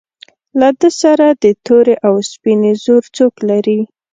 له ده سره د تورې او سپینې زور څوک لري.